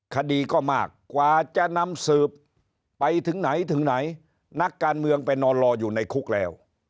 คดีก็มากกว่าจะนำสืบไปถึงไหนถึงไหนนักการเมืองไปนอนรออยู่ในคุกแล้ว